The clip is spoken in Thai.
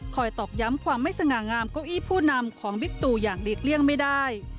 ตอกย้ำความไม่สง่างามเก้าอี้ผู้นำของบิ๊กตูอย่างหลีกเลี่ยงไม่ได้